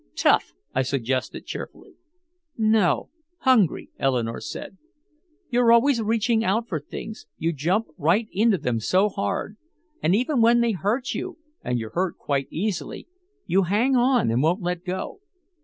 "Tough," I suggested cheerfully. "No hungry," Eleanore said. "You're always reaching out for things you jump right into them so hard. And even when they hurt you and you're hurt quite easily you hang on and won't let go.